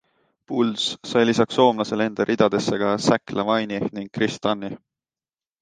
Bulls sai lisaks soomlasele enda ridadesse ka Zach Lavine'i ning Kris Dunni.